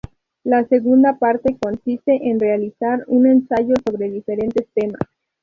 La segunda parte consiste en realizar un ensayo sobre diferentes temas.